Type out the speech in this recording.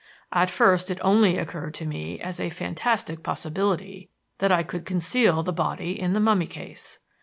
"At first it only occurred to me as a fantastic possibility that I could conceal the body in the mummy case.